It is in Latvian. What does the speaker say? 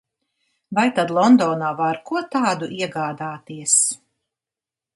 Vai tad Londonā var ko tādu iegādāties?